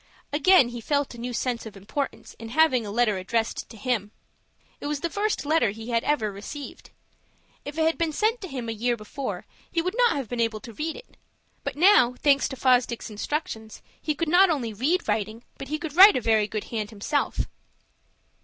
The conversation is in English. Again, he felt a new sense of importance in having a letter addressed to him. It was the first letter he had ever received. If it had been sent to him a year before, he would not have been able to read it. But now, thanks to Fosdick's instructions, he could not only read writing, but he could write a very good hand himself.